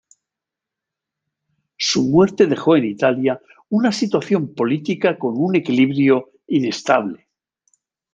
Su muerte dejó en Italia una situación política con un equilibrio inestable.